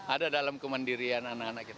ada dalam kemandirian anak anak kita